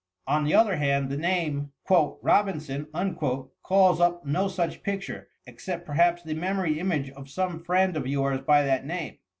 On the other hand, the name "Rob inson" calls up no such picture, except perhaps the memory image of some friend of yours by that name.